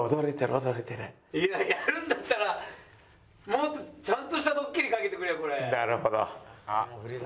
やるんだったらもっとちゃんとしたドッキリ掛けてくれよこれ。